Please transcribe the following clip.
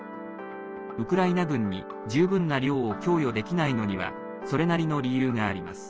ウクライナ軍に十分な量を供与できないのにはそれなりの理由があります。